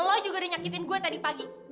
lo juga dinyakitin gue tadi pagi